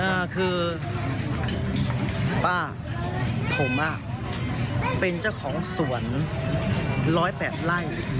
อ่าคือป้าผมอ่ะเป็นเจ้าของสวน๑๐๘ไร่